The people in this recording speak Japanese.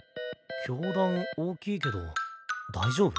教壇大きいけど大丈夫？